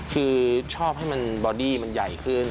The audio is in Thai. คือชอบให้มันบอดี้มันใหญ่ขึ้น